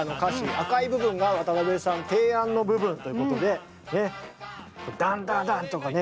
赤い部分が渡辺さん提案の部分ということでダンダダンとかね